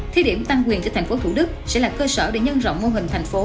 thí điểm tăng quyền cho tp hcm sẽ là cơ sở để nhân rộng mô hình thành phố